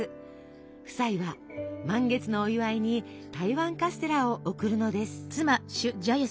夫妻は満月のお祝いに台湾カステラを送るのです。